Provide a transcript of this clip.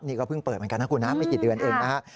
นี่ก็เพิ่งเปิดเหมือนกันนะครับไม่กี่เดือนอื่นนะครับ